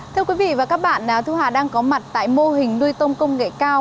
thưa quý vị và các bạn thu hà đang có mặt tại mô hình nuôi tông công nghệ cao